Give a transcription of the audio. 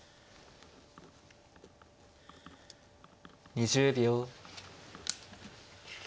２０秒。